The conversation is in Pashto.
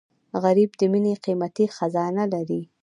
غریب د مینې قیمتي خزانه لري